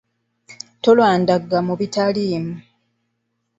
Tolandagga mu bitaliimu.